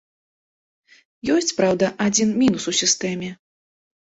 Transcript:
Ёсць, праўда, адзін мінус у сістэме.